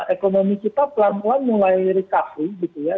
ekonomi kita pelan pelan mulai rekapi gitu ya